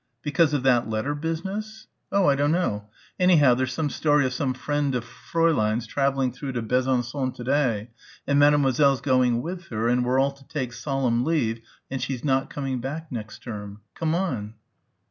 "Because of that letter business?" "Oh, I dunno. Anyhow there's some story of some friend of Fräulein's travelling through to Besançon to day and Mademoiselle's going with her and we're all to take solemn leave and she's not coming back next term. Come on."